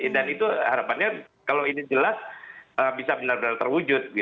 dan itu harapannya kalau ini jelas bisa benar benar terwujud